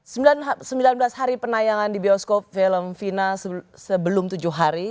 sembilan belas hari penayangan di bioskop film final sebelum tujuh hari